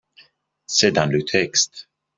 C’est dans le texte